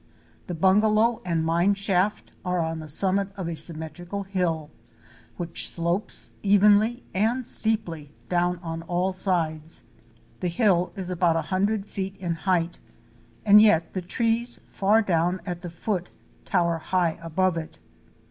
The bungalow and mine shaft are on the summit of a symmetrical hill, which slopes evenly and steeply down on all sides. The hill is about a hundred feet in height and yet the trees far down at the foot tower high above it.